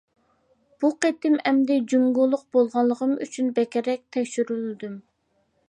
بۇ قېتىم ئەمدى جۇڭگولۇق بولغانلىقىم ئۈچۈن بەكرەك تەكشۈرۈلدۈم.